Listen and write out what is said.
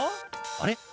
あれ？